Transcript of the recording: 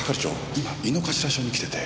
今井の頭署に来てて。